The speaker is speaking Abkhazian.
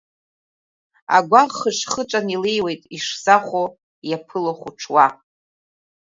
Агәаӷ хышхыҵәан илеиуеит ишзахәо, иаԥыло хәаҽуа…